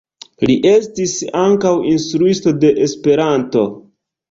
Li estis ankaŭ instruisto de Esperanto.